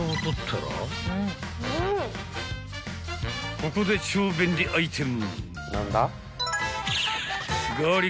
［ここで超便利アイテム］